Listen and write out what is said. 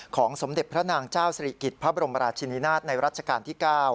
สมเด็จพระนางเจ้าศรีกิจพระบรมราชินินาศในรัชกาลที่๙